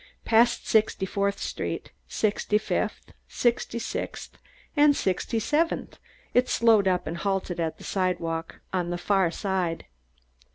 Past Sixty fourth Street, Sixty fifth, Sixty sixth, and at Sixty seventh it slowed up and halted at the sidewalk on the far side.